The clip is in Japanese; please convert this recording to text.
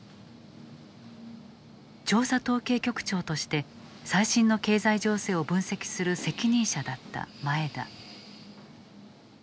調査統計局長として最新の経済情勢を分析する責任者だった前田。